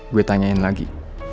gue tanyain lagi